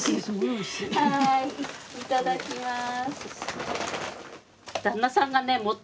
はいいただきます。